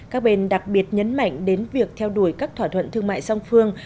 các bên đặc biệt nhấn mạnh đến việc theo đuổi các thỏa thuận thương mại song phương